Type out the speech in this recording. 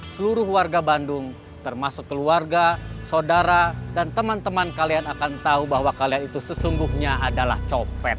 seluruh warga bandung termasuk keluarga saudara dan teman teman kalian akan tahu bahwa kalian itu sesungguhnya adalah copet